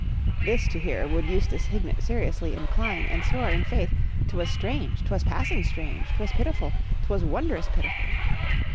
This to hear would Eustace Hignett seriously incline, and swore, in faith, 'twas strange, 'twas passing strange, 'twas pitiful, 'twas wondrous pitiful.